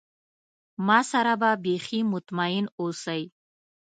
ما سره به بیخي مطمئن اوسی.